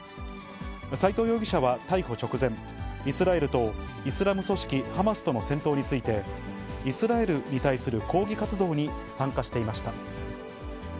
斎藤容疑者は逮捕直前、イスラエルとイスラム組織ハマスとの戦闘について、イスラエルに対する抗議活動に参加していました。